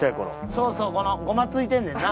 そうそうこのごまついてんねんな。